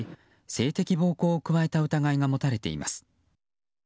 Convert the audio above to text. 性的暴行を加えた疑いが持たれています。